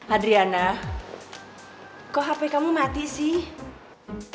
adriana kok hp kamu mati sih